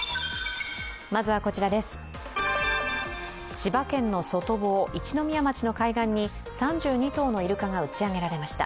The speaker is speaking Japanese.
千葉県の外房、一宮町の海岸に３２頭のイルカが打ち上げられました。